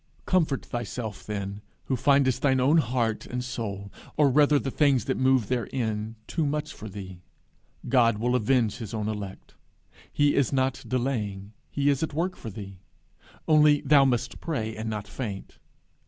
Comfort thyself then, who findest thine own heart and soul, or rather the things that move therein, too much for thee: God will avenge his own elect. He is not delaying; he is at work for thee. Only thou must pray, and not faint.